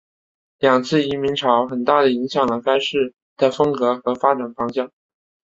两次移民潮很大的影响了该市的风格和发展方向。